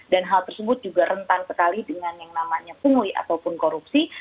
dan hal tersebut juga rentan sekali dengan yang namanya pungli ataupun korupsi